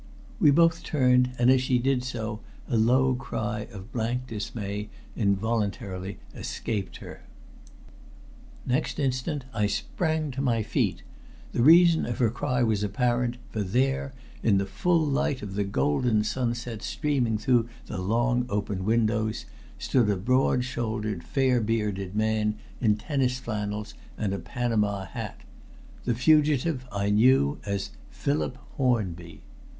We both turned, and as she did so a low cry of blank dismay involuntarily escaped her. Next instant I sprang to my feet. The reason of her cry was apparent, for there, in the full light of the golden sunset streaming through the long open windows, stood a broad shouldered, fair bearded man in tennis flannels and a Panama hat the fugitive I knew as Philip Hornby!